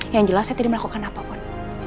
yang jelas saya tidak melakukan apapun